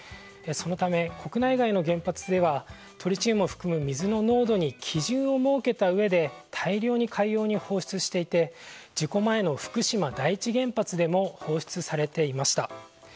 そのため、国内外の原発ではトリチウムを含む水の濃度に基準を設けたうえで大量に海洋に放出していて事故前の福島第一原発でも放出されていました。